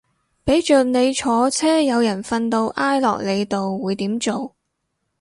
俾着你坐車有人瞓到挨落你度會點做